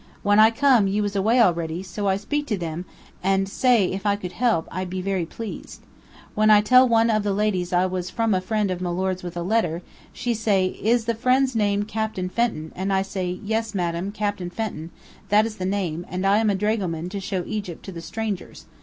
When I come, you was away already, so I speak to them, and say if I could help, I be very pleased. When I tell one of the ladies I was from a friend of milord's with a letter, she say, is the friend's name Captain Fenton, and I say 'yes, madame, Captain Fenton, that is the name; and I am a dragoman to show Egypt to the strangers.